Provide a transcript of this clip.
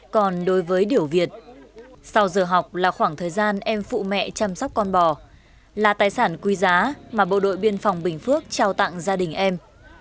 còn đối với điểu việt sau giờ học là khoảng thời gian em phụ mẹ chăm sóc con bò là tài sản quý giá mà bộ đội biên phòng bình phước trao tặng gia đình em